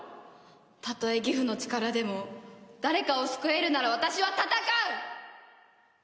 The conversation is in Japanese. たとえギフの力でも誰かを救えるなら私は戦う！